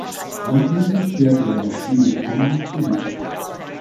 Anschließend kehrte er nach Schwedisch-Pommern zurück.